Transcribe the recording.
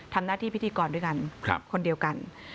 ทำหน้าที่พิธีกรด้วยกันคนเดียวกัน